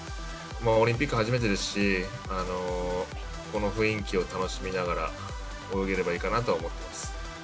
オリンピック初めてですし、この雰囲気を楽しみながら、泳げればいいかなと思ってます。